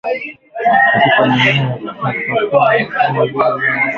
katika maeneo ya mpakani kama vile Mae Sot